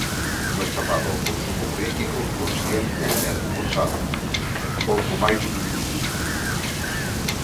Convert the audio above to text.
Unha chamada ao consumo crítico, consciente e responsábel en pouco máis dun minuto.